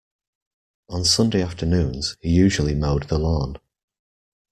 On Sunday afternoons he usually mowed the lawn.